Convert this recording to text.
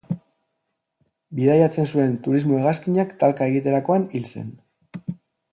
Bidaiatzen zuen turismo-hegazkinak talka egiterakoan hil zen.